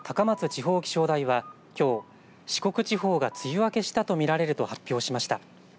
地方気象台はきょう四国地方が梅雨明けしたと見られると発表しました。